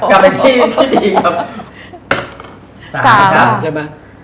กลับมาที่พิธีครับ